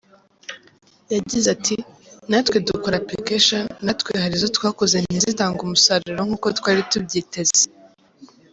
Yagize ati “ Natwe dukora application, natwe hari izo twakoze ntizitange umusaruro nkuko twari tubyiteze.